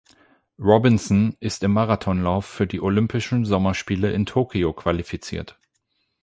Robinson ist im Marathonlauf für die Olympischen Sommerspiele in Tokio qualifiziert.